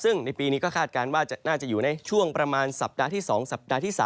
ซึ่งในปีนี้ก็คาดการณ์ว่าน่าจะอยู่ในช่วงประมาณสัปดาห์ที่๒สัปดาห์ที่๓